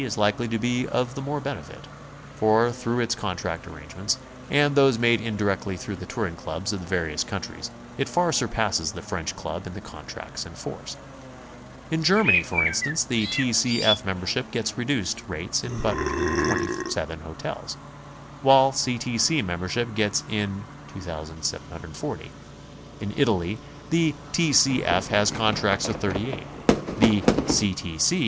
is likely to be of the more benefit, for through its direct arrangements, and those made indirectly through the Touring Clubs of the various countries, it far surpasses the French Club in the contracts in force. In Germany, for instance, T. C. F. membership gets reduced rates in but 27 hotels, while C. T. C. membership gets it in 2,740; in Italy the T. C. F. has contracts with 38, the C.